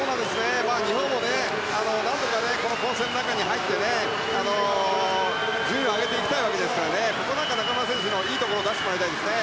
日本もなんとかこの混戦の中に入って順位を上げていきたいわけですがここなんか、中村選手のいいところ出してもらいたいですね。